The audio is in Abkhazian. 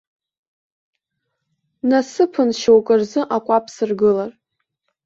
Насыԥын шьоукы рзы акәаԥ сыргылар.